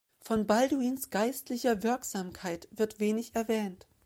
Von Balduins geistlicher Wirksamkeit wird wenig erwähnt.